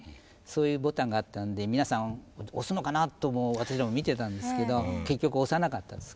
そういうボタンがあったんで皆さん押すのかなと私らも見てたんですけど結局押さなかったですけどね。